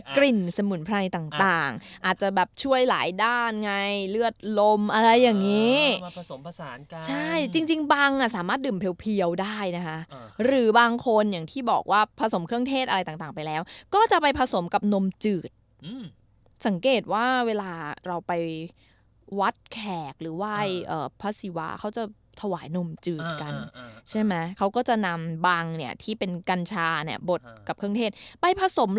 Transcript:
สมุนไพรต่างอาจจะแบบช่วยหลายด้านไงเลือดลมอะไรอย่างนี้มาผสมผสานกันใช่จริงบังอ่ะสามารถดื่มเพียวได้นะคะหรือบางคนอย่างที่บอกว่าผสมเครื่องเทศอะไรต่างไปแล้วก็จะไปผสมกับนมจืดสังเกตว่าเวลาเราไปวัดแขกหรือไหว้พระศิวะเขาจะถวายนมจืดกันใช่ไหมเขาก็จะนำบังเนี่ยที่เป็นกัญชาเนี่ยบดกับเครื่องเทศไปผสม